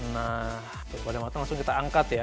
nah kalau udah mateng langsung kita angkat ya